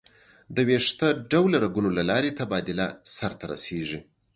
د ویښته ډوله رګونو له لارې تبادله سر ته رسېږي.